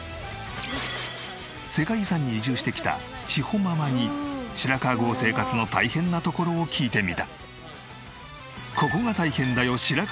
世界遺産に移住してきた千帆ママに白川郷生活の大変なところを聞いてみた。